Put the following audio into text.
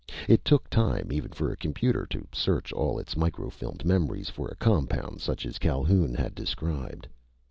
It took time even for a computer to search all its microfilmed memories for a compound such as Calhoun had described.